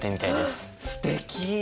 すてき。